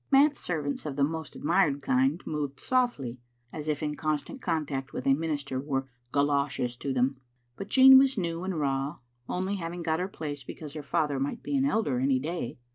Manse servants of the most admired kind move softly, as if constant contact with a minister were goloshes to them ; but Jean was new and raw, only having got her place because her father might be an elder any day.